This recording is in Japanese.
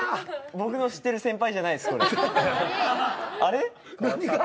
僕の知ってる先輩じゃないですこれ。何が？